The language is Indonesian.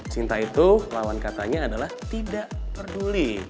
cinta itu lawan katanya adalah tidak peduli